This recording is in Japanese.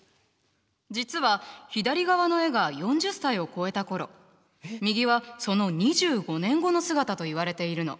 実は左側の絵が４０歳を越えた頃右はその２５年後の姿といわれているの。